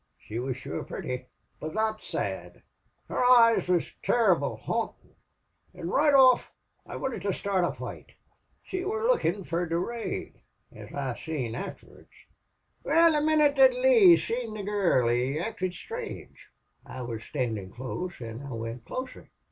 She was shure purty. But thot sad! Her eyes wor turrible hauntin', an' roight off I wanted to start a foight. She wor lookin' fer Durade, as I seen afterwards. "Wal, the minnit that Lee seen the gurl he acted strange. I wuz standin' close an' I went closer.